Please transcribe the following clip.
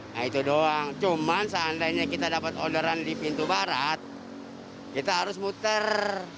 nah itu doang cuman seandainya kita dapat onderan di pintu barat kita harus muter